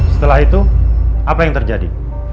setelah itu apa yang terjadi